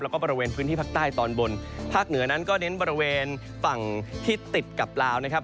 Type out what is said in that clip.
แล้วก็บริเวณพื้นที่ภาคใต้ตอนบนภาคเหนือนั้นก็เน้นบริเวณฝั่งที่ติดกับลาวนะครับ